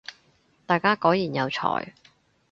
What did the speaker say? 大家果然有才